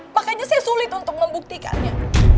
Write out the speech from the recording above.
makanya saya sulit untuk membuktikannya